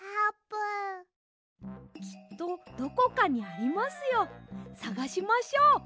きっとどこかにありますよさがしましょう。